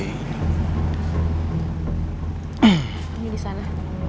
ini di sana